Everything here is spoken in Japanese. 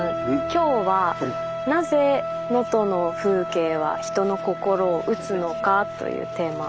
今日は「なぜ能登の風景は人の心を打つのか？」というテーマ。